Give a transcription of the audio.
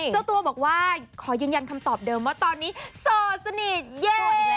เจ้าตัวบอกว่าขอยืนยันคำตอบเดิมว่าตอนนี้โสดสนิทเยอะ